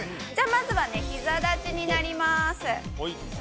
じゃあ、まずは膝立ちになります。